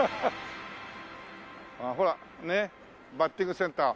ああほらねバッティングセンター。